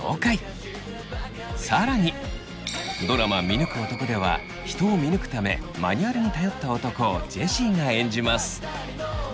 「見抜く男」では人を見抜くためマニュアルに頼った男をジェシーが演じます。